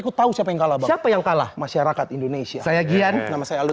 aku tahu siapa yang kalah siapa yang kalah masyarakat indonesia saya gian nama saya alun